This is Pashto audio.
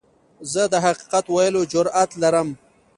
زه د حقیقت ویلو جرئت لرم.